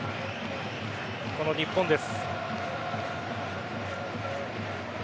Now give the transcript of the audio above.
この日本です。